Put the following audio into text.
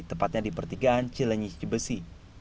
tepatnya di pertigaan cilenyi cibesi